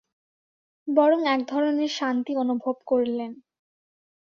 বরং একধরনের শান্তি অনুভব করলেন।